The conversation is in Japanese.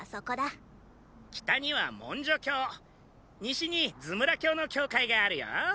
北にはモンジョ教西にズムラ教の教会があるよ。